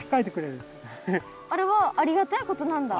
あれはありがたいことなんだ？